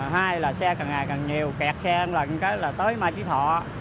hai là xe càng ngày càng nhiều kẹt xe lần lần là tới mai trí thọ